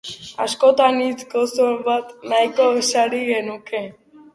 Askotan hitz gozo bat nahiko sari genuke.